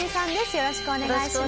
よろしくお願いします。